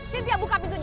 cynthia buka pintunya